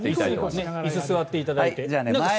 椅子に座っていただいて。